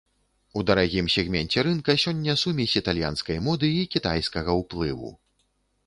У дарагім сегменце рынка сёння сумесь італьянскай моды і кітайскага ўплыву.